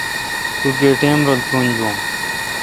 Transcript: توگہ ٹیم رل ترونجون؟